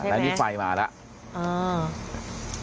อ่านี่ไฟมาแล้ว